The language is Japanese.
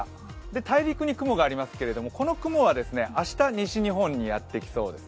大陸に雲がありますけど、この雲は明日西日本にやってきそうです。